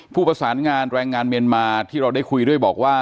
ผู้ประสานงานแรงงานเมียนมาที่เราได้คุยด้วยบอกว่า